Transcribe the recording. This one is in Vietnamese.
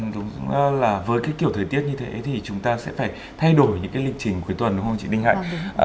tôi nghĩ là với cái kiểu thời tiết như thế thì chúng ta sẽ phải thay đổi những cái lịch trình cuối tuần đúng không chị đinh hạnh